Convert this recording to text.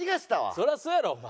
そりゃそうやろお前。